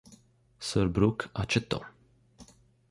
Sir Brooke accettò.